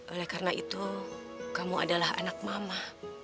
oleh karena itu kamu adalah anak mama